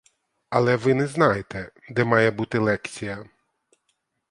Але ви не знаєте, де має бути лекція?